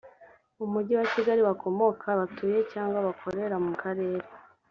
umujyi wa kigali bakomoka batuye cyangwa bakorera mu karere